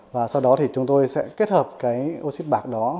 và sau đó thì chúng tôi sẽ kết hợp cái oxy bạc đó